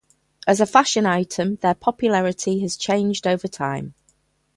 As a fashion item, their popularity has changed over time.